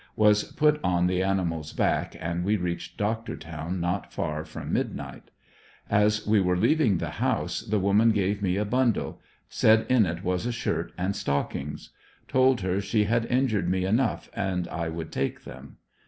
Was put on the animal's back and we reached Doctortown not far from midnight. As we were leaving the house the woman gave me a bundle; said in it was a shirt and stockings. Told her she had injured me enough and I would take them.